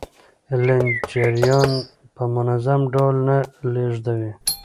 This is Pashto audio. لین جریان په منظم ډول نه لیږدوي.